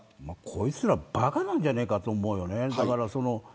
こいつらばかなんじゃねえかと思うよね。